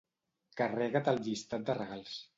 Carrega't el llistat de regals.